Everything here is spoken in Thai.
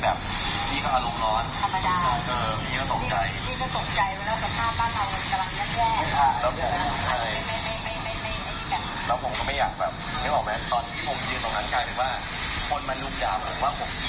ทุกคนมาดูกล่าวว่าผมเกี่ยว